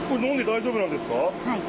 はい。